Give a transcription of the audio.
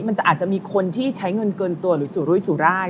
มันจะอาจจะมีคนที่ใช้เงินเกินตัวหรือสุรุยสุราย